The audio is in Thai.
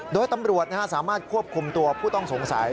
โดยตำรวจสามารถควบคุมตัวผู้ต้องสงสัย